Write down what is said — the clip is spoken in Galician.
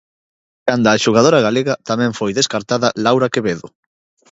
Canda a xogadora galega tamén foi descartada Laura Quevedo.